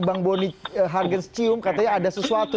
bang boni hargens cium katanya ada sesuatu